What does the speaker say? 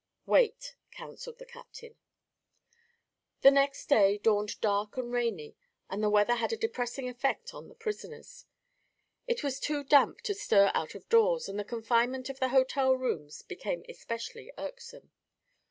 "Wait," counseled the captain. The next day dawned dark and rainy and the weather had a depressing effect upon the prisoners. It was too damp to stir out of doors and the confinement of the hotel rooms became especially irksome.